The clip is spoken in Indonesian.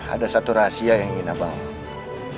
ada satu rahasia yang ingin abang